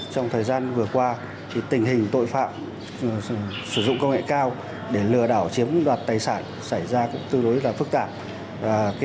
trong thời gian vừa qua tình hình tội phạm sử dụng công nghệ cao để lừa đảo chiếm đoạt tài sản xảy ra cũng tương đối là phức tạp